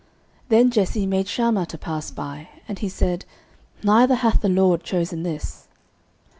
09:016:009 Then Jesse made Shammah to pass by. And he said, Neither hath the LORD chosen this.